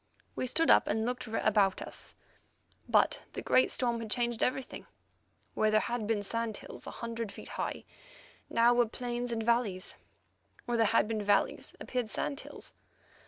We stood up and looked about us, but the great storm had changed everything. Where there had been sand hills a hundred feet high, now were plains and valleys; where there had been valleys appeared sand hills.